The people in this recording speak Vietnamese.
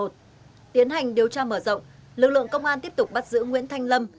tiến hành điều tra mở rộng lực lượng công an tiếp tục bắt giữ nguyễn thanh lâm